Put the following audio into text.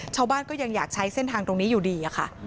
ชาวบ้านก็ยังอยากใช้เส้นทางตรงนี้อยู่ดีค่ะ